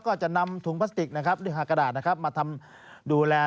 ก็จะนำถุงพลาสติกด้วยหากระดาษมาทำดูแล